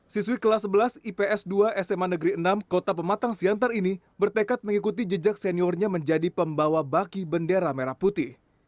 siswi kelas sebelas ips dua sma negeri enam kota pematang siantar ini bertekad mengikuti jejak seniornya menjadi pembawa baki bendera merah putih